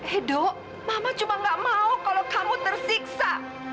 hidup mama cuma gak mau kalau kamu tersiksa